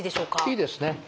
いいですね。